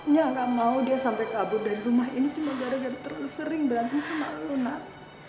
nya gak mau dia sampai kabur dari rumah ini cuma gara gara terlalu sering berantem sama lo nak